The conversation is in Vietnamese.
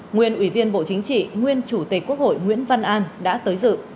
nguyên ủy viên bộ chính trị nguyên chủ tịch quốc hội nguyễn văn an đã tới dự